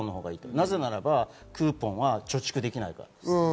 なぜならばクーポンは貯蓄できないから。